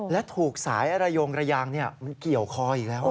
และถูกสายระโยงระยางมันเกี่ยวคออีกแล้ว